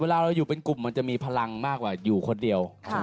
เราอยู่เป็นกลุ่มมันจะมีพลังมากกว่าอยู่คนเดียว